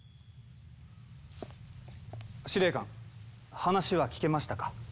司令官話は聞けましたか？